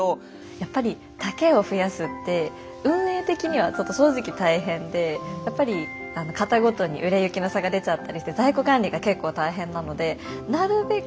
やっぱり丈を増やすって運営的にはちょっと正直大変でやっぱり型ごとに売れ行きの差が出ちゃったりして在庫管理が結構大変なのでなるべく